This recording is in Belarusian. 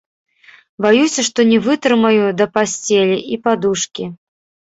Баюся, што не вытрымаю да пасцелі і падушкі.